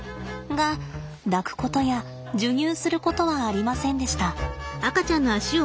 が抱くことや授乳することはありませんでした。